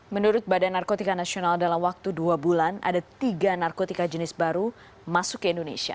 menurut badan narkotika nasional dalam waktu dua bulan ada tiga narkotika jenis baru masuk ke indonesia